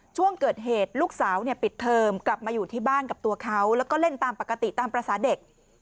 ช่วงเกิดเหตุลูกสาวปิดเทอมกลับมาอยู่ที่บ้านกับตัวเขาแล้วก็เล่นตามปกติตามภาษาเด็ก